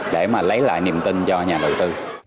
để mà lấy lại niềm tin cho nhà đầu tư